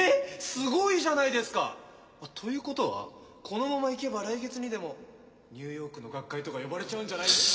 すごいじゃないですか！という事はこのままいけば来月にでもニューヨークの学会とか呼ばれちゃうんじゃないですか？